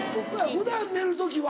普段寝る時は？